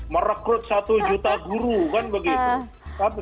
merekrut satu juta guru kan begitu